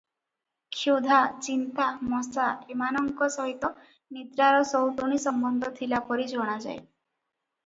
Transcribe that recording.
କ୍ଷୁଧା, ଚିନ୍ତା, ମଶା ଏମାନଙ୍କ ସହିତ ନିଦ୍ରାର ସଉତୁଣୀ ସମ୍ବନ୍ଧ ଥିଲାପରି ଜଣାଯାଏ ।